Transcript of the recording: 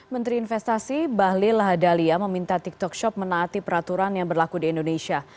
menteri investasi bahlil lahadalia meminta tiktok shop menaati peraturan yang berlaku di indonesia